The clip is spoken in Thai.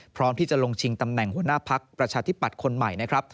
พร้อมที่จะลงชิงตำแหน่งหัวหน้าพักประชาธิปัตย์คนใหม่นะครับ